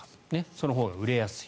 そのほうが売れやすい。